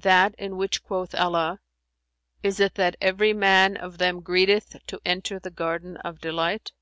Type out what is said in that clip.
"That in which quoth Allah, 'Is it that every man of them greedeth to enter the Garden of Delight?'"